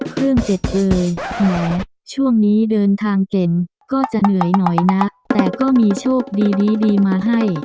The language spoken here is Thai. เครื่องเจ็ดเอ่ยแหมช่วงนี้เดินทางเก่งก็จะเหนื่อยหน่อยนะแต่ก็มีโชคดีดีมาให้